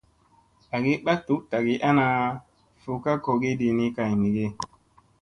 Agi ɓak duk tagi ana, fu ka kogi ɗini kay mi ge.